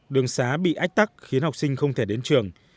đường xá bị ách tắc khiến học sinh không thể đến trường